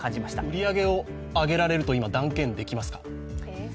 売り上げを上げられると今、断言できますか？